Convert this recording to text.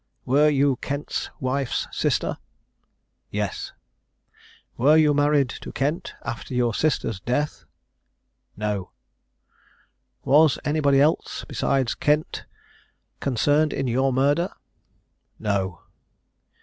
"Are you Kent's wife's sister?" "Yes." "Were you married to Kent after your sister's death?" "No." "Was anybody else, besides Kent, concerned in your murder?" "No."